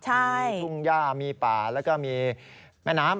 มีทุ่งย่ามีป่าแล้วก็มีแม่น้ำ